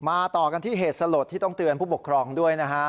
ต่อกันที่เหตุสลดที่ต้องเตือนผู้ปกครองด้วยนะฮะ